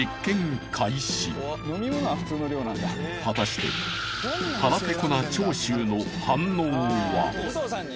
果たして腹ペコな長州の反応は？